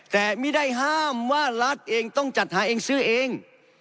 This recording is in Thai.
แต่ไม่ได้ห้ามว่ารัฐเองต้องจัดหาเองซื้อเอง